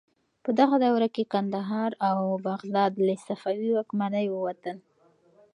په دغه دوره کې کندهار او بغداد له صفوي واکمنۍ ووتل.